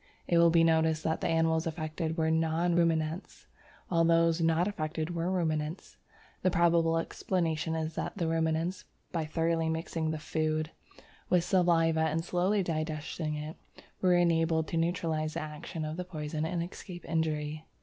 It will be noticed that the animals affected were non ruminants, while those not affected were ruminants. The probable explanation is that the ruminants, by thoroughly mixing the food with saliva and slowly digesting it, were enabled to neutralize the action of the poison and escape injury.